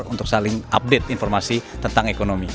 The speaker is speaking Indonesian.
untuk saling update informasi tentang ekonomi